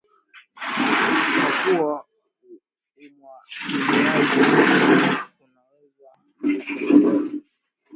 kwa kuwa umwagiliaji unaweza kuicontrol